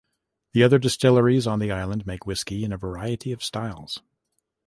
The other distilleries on the island make whisky in a variety of styles.